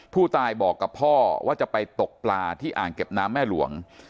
ผู้ตายบอกกับพ่อว่าจะไปตกปลาที่อ่างเก็บน้ำแม่หลวง